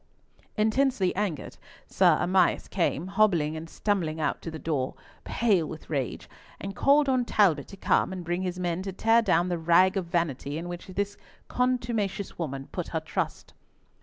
Intensely angered, Sir Amias came, hobbling and stumbling out to the door, pale with rage, and called on Talbot to come and bring his men to tear down the rag of vanity in which this contumacious woman put her trust.